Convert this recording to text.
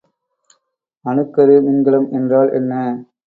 அணுக்கரு மின்கலம் என்றால் என்ன?